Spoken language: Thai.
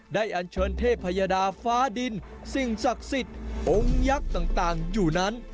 อันเชิญเทพยดาฟ้าดินสิ่งศักดิ์สิทธิ์องค์ยักษ์ต่างอยู่นั้น